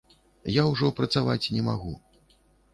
Я ўжо працаваць не магу.